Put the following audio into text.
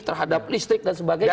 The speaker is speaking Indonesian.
terhadap listrik dan sebagainya